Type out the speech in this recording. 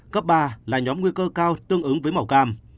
cấp ba là nhóm nguy cơ cao tương ứng với màu cam